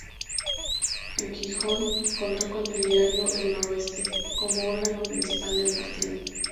En Gijón contó con el diario "El Noroeste" como órgano principal del partido.